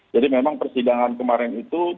jadi memang persidangan kemarin itu